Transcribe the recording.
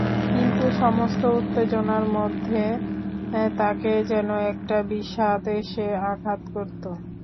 কিন্তু সমস্ত উত্তেজনার মধ্যে তাঁকে যেন একটা বিষাদ এসে আঘাত করত।